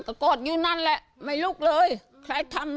กังฟูเปล่าใหญ่มา